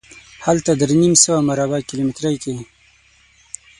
هلته درې نیم سوه مربع کیلومترۍ کې.